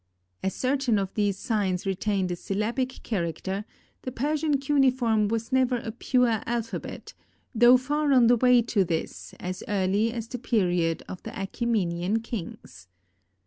As certain of these signs retained a syllabic character, the Persian cuneiform was never a pure alphabet, though far on the way to this as early as the period of the Achæmenian kings.